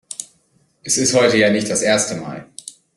Es ist heute ja nicht das erste Mal.